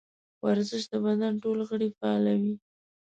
ورزش د بدن ټول غړي فعالوي.